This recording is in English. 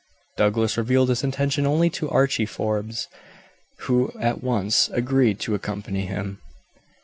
Douglas revealed his intention only to Archie Forbes, who at once agreed to accompany him.